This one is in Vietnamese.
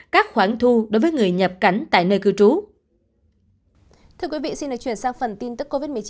các khoản thu đối với người nhập cảnh tại nơi cư trú